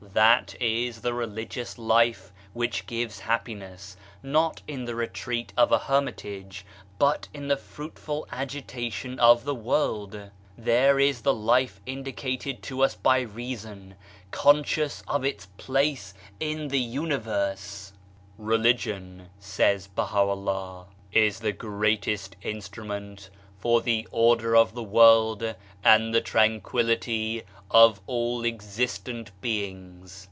That is the religious life which gives happiness, not in the retreat of a hermitage, but in the fruitful agitation of the world. There is the life indicated to us by reason, conscious of its place in the universe ! THE INDIVIDUAL 159 " Religion/* says BahaVllah, "is the greatest instrument for the order of the world and the tranquillity of all existent beings."